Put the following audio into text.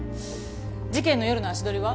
事件の夜の足取りは？